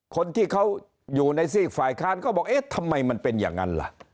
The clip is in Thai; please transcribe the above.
คนที่เขาอยู่ในซีกฝ่ายค้านก็บอกเอ๊ะทำไมมันเป็นอย่างนั้นล่ะ